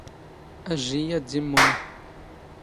ⴰⵊⵊ ⵉⵢⵉ ⴰⴷ ⴷⵉⵎ ⵎⵓⵏⵖ.